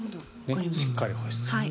しっかり保湿。